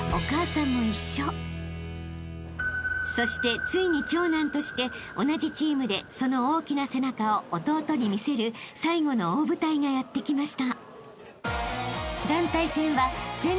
［そしてついに長男として同じチームでその大きな背中を弟に見せる最後の大舞台がやって来ました］